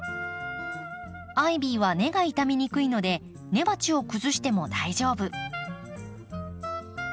アイビーは根が傷みにくいので根鉢を崩しても大丈夫。